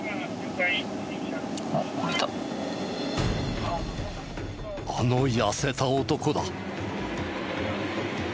あの痩せた男だ。